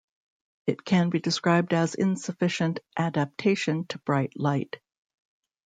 It can be described as insufficient adaptation to bright light.